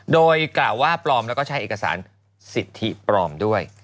โดยกล่าวว่าปลอมแล้วก็ใช้เอกสารสิทธิปลอมด้วย